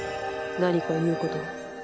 何か言うことは？